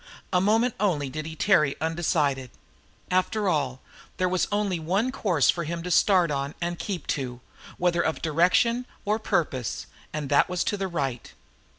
A moment only did he tarry undecided; after all, there was only one course for him to start on and keep to, whether of direction or purpose, and that was to the right.